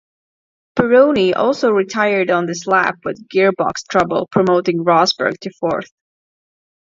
Pironi also retired on this lap with gearbox trouble, promoting Rosberg to fourth.